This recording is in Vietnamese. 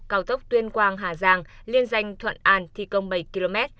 cao tốc tuyên quang hà giang liên danh thuận an thi công bảy km